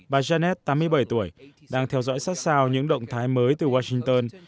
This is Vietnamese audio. bà genet tám mươi bảy tuổi đang theo dõi sát sao những động thái mới từ washington